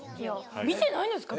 見てないんですか？